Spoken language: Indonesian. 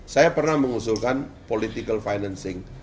saya pernah mengusulkan political financing